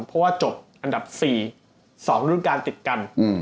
เพราะว่าจบอันดับ๔๒รุ่นการติดกัน